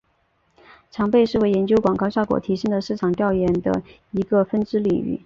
常被视为研究广告效果提升的市场调研的一个分支领域。